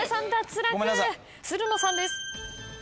つるのさんです。